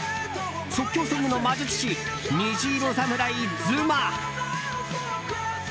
即興ソングの魔術師虹色侍、ずま。